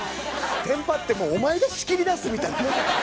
テンパってもうお前が仕切りだすみたいな。